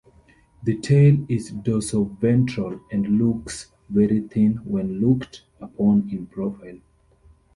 The tail is dorsoventral and looks very thin, when looked upon in profile.